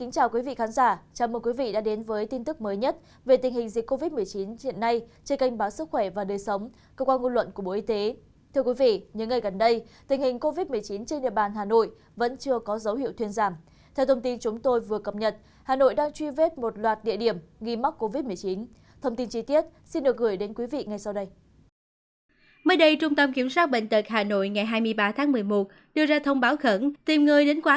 chào mừng quý vị đến với bộ phim hãy nhớ like share và đăng ký kênh của chúng mình nhé